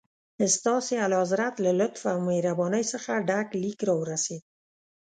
ستاسي اعلیحضرت له لطف او مهربانۍ څخه ډک لیک راورسېد.